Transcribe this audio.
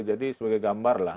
jadi sebagai gambar lah